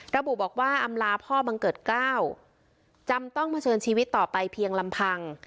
ระบุบอกว่าอำลาพ่อบังเกิดเกล้าจำต้องเผชิญชีวิตต่อไปเพียงลำพัง